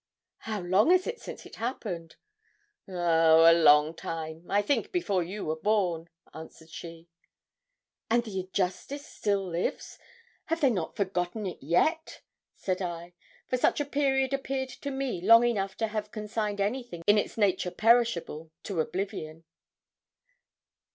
'How long is it since it happened?' 'Oh, a long time; I think before you were born,' answered she. 'And the injustice still lives they have not forgotten it yet?' said I, for such a period appeared to me long enough to have consigned anything in its nature perishable to oblivion.